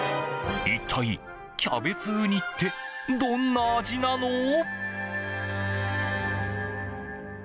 一体、キャベツウニってどんな味なの？